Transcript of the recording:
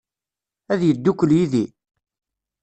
Ad yeddukel yid-i?